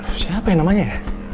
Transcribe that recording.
aduh siapa ya namanya